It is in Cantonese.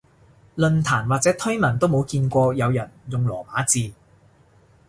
論壇或者推文都冇見過有人用羅馬字